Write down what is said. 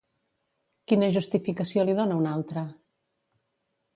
Quina justificació li dona un altre?